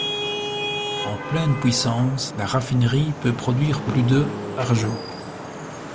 En pleine puissance, la raffinerie peut produire plus de par jour.